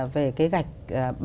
về cái gạch xanh